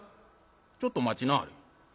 ちょっと待ちなはれ。